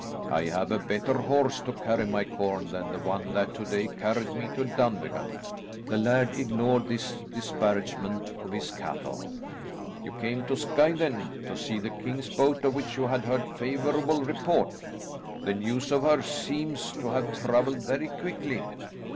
I have a better horse to carry my corn than the one that to day carried me to Dunvegan." The laird ignored this disparagement of his cattle. "You came to Skye then to see the king's boat, of which you had heard favourable report? The news of her seems to have travelled very quickly."